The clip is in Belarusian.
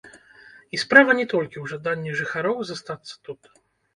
І справа не толькі ў жаданні жыхароў застацца тут.